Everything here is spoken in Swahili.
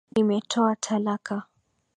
nimetoa talaka